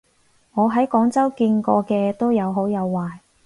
我喺廣州見過嘅都有好有壞